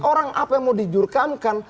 orang apa yang mau dijurkamkan